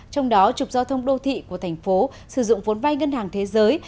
trong đó trục giao thông đô thị của thành phố sử dụng vốn vai ngân hàng thế giới